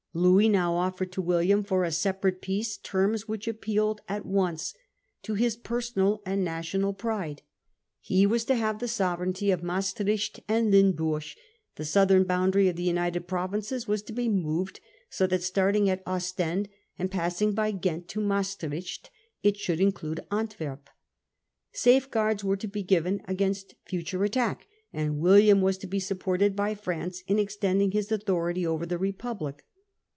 Louis now offered to William, for a separate peace, terms which appealed at once to his personal and national pride ; he was to have the sovereignty of Maestricht and Limburg : the southern boundary of the United Provinces was to be moved so that, starting at Ostend and passing by Ghent to Maestricht, it should include Antwerp. Safeguards were to be given against future attack ; and William was r 2 244 Louis : William : Charles : Parliament. 1677. to be supported by France in extending his authority over the Republic.